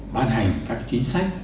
ban hành các chính sách